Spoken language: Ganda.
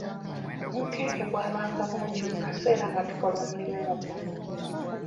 Obunkenke bwabanga bungi mu kaseera nga tukola omulimu ogwo.